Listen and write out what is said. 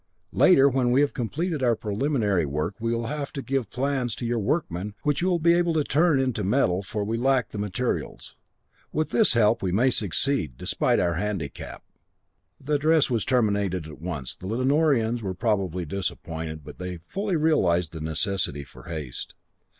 Later, when we have completed our preliminary work, we will have to give plans to your workmen, which you will be able to turn into metal, for we lack the materials. With this help we may succeed, despite our handicap." The address was terminated at once. The Lanorians were probably disappointed, but they fully realized the necessity for haste.